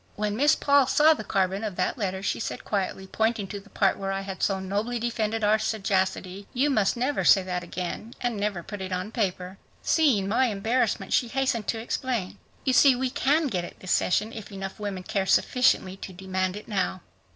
When Miss Paul saw the carbon of that letter she said quietly, pointing to the part where I had so nobly defended our sagacity, "You must never say that again and never put it on paper." Seeing my embarrassment, she hastened to explain. "You see, we can get it this session if enough women care sufficiently to demand it now."